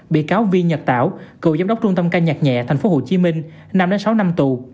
bị cáo vi nhật tảo cựu giám đốc trung tâm ca nhạc nhẹ tp hcm năm sáu năm tù